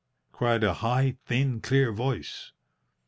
cried a high, thin, clear voice.